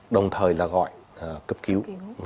đồng thời là gọi cấp cứu